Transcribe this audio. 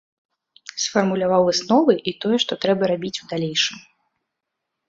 Сфармуляваў высновы і тое, што трэба рабіць у далейшым.